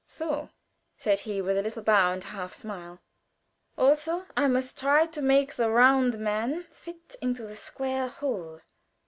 "So!" said he, with a little bow and a half smile. "Also, I must try to make the round man fit into the square hole.